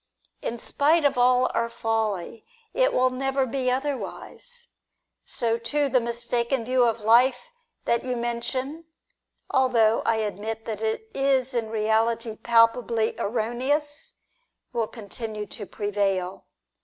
In spite of all our folly, it will never be otherwise. So, too, the mistaken view of life that you mention, although I admit that it is in reality palpably erroneous, will continue to prevail.